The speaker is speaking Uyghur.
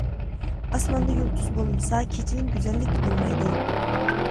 ئاسماندا يۇلتۇز بولمىسا، كېچىنىڭ گۈزەللىكى بولمايدۇ.